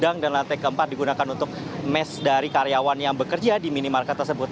sedang dan lantai keempat digunakan untuk mes dari karyawan yang bekerja di minimarket tersebut